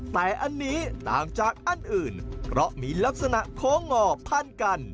แต่อันนี้ต่างจากอันอื่นเพราะมีลักษณะโค้งงอพันกัน